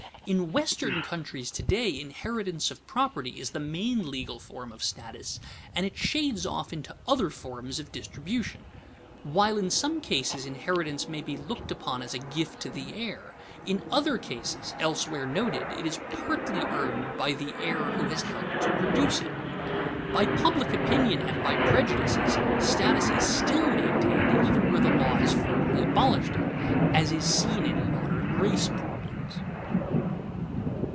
In western countries to day inheritance of property is the main legal form of status and it shades off into other forms of distribution. While in some cases inheritance may be looked upon as a gift to the heir, in other cases, elsewhere noted, it is partly earned by the heir who has helped to produce it. By public opinion and by prejudices, status is still maintained even where the law has formally abolished it, as is seen in modern race problems.